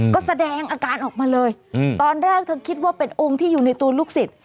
ก็แสดงอาการออกมาเลยตอนแรกเธอคิดว่าเป็นองค์ที่อยู่ในตัวลูกศิษย์